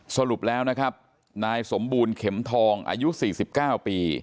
สรุปแล้วนะครับนายสมบูรณ์เข็มทองอายุ๔๙ปี